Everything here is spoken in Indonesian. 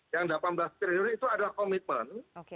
yang delapan belas triliun itu adalah komitmen